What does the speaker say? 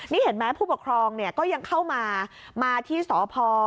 นี่เห็นไหมผู้ปกครองก็ยังเข้ามามาที่สพ